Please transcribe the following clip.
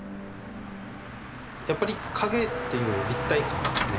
やっぱり影っていう立体感ですね